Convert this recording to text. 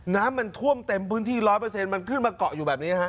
น้ำมันท่วมเต็มพื้นที่ร้อยเปอร์เซ็นต์มันขึ้นมาเกาะอยู่แบบนี้ฮะ